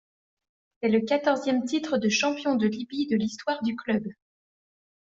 C'est le quatorzième titre de champion de Libye de l'histoire du club.